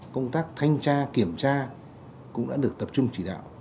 công tác thanh tra kiểm tra cũng đã được tập trung chỉ đạo